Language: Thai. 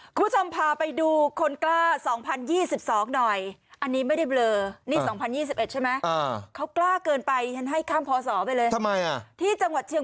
คุณผู้ชมพาไปดูคนกล้า๒๐๒๒หน่อย